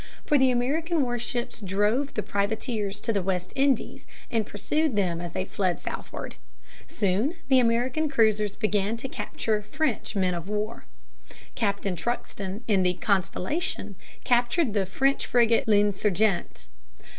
For the American warships drove the privateers to the West Indies and pursued them as they fled southward. Soon the American cruisers began to capture French men of war. Captain Truxton, in the Constellation, captured the French frigate L'Insurgent.